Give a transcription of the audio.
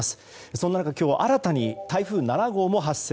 そんな中、今日は新たに台風７号も発生。